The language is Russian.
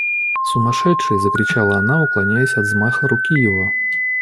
– Сумасшедший! – закричала она, уклоняясь от взмаха руки его.